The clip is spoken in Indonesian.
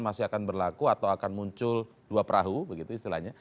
masih akan berlaku atau akan muncul dua perahu begitu istilahnya